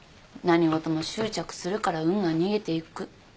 何事も執着するから運が逃げていく。